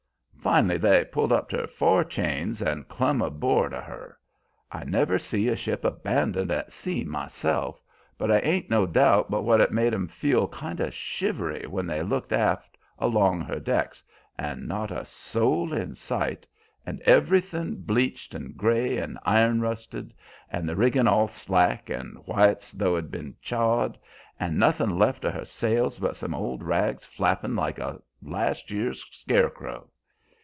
Finally, they pulled up to her fore chains and clum aboard of her. I never see a ship abandoned at sea, myself, but I ain't no doubt but what it made 'em feel kind o' shivery when they looked aft along her decks, and not a soul in sight, and every thin' bleached, and gray, and iron rusted, and the riggin' all slack and white's though it had been chawed, and nothin' left of her sails but some old rags flappin' like a last year's scarecrow.